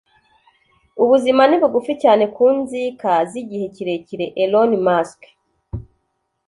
ubuzima ni bugufi cyane ku nzika z'igihe kirekire. - elon musk